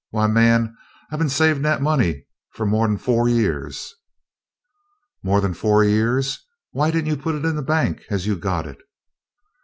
Why, man, I 've been savin' dat money fu mo'n fo' yeahs." "More than four years? Why did n't you put it in the bank as you got it?"